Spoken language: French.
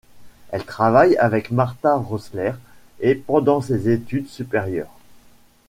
Elle travaille avec Martha Rosler et pendant ses études supérieures.